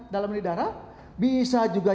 dalam darah bisa juga